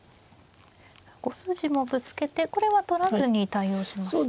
５筋もぶつけてこれは取らずに対応しました。